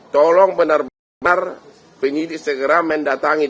tolong benar benar penyidik segera mendatangi